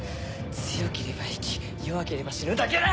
強ければ生き弱ければ死ぬだけだ！